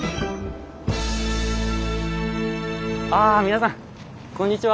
ああ皆さんこんにちは。